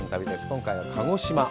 今回は鹿児島。